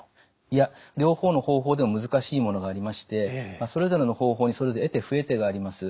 いや両方の方法でも難しいものがありましてそれぞれの方法にそれぞれ得手不得手があります。